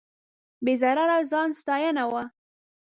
بې ضرره ځان ستاینه وه.